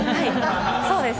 そうです。